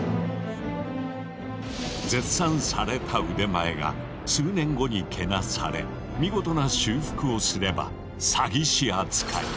絶賛された腕前が数年後にけなされ見事な修復をすれば詐欺師扱い。